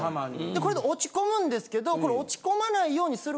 これで落ち込むんですけど。